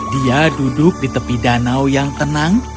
dia duduk di tepi danau yang tenang